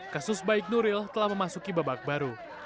kasus baik nuril telah memasuki babak baru